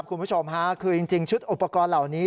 คุณผู้ชมค่ะคือจริงชุดอุปกรณ์เหล่านี้